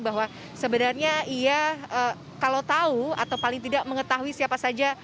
bahwa sebenarnya ia kalau tahu atau paling tidak mengetahui siapa saja